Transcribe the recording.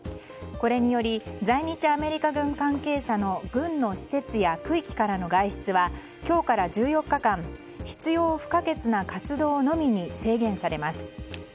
これにより在日アメリカ軍関係者の軍の施設や区域からの外出は今日から１４日間必要不可欠な活動のみに制限されます。